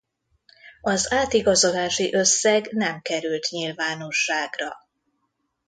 Az átigazolási összeg nem került nyilvánosságra.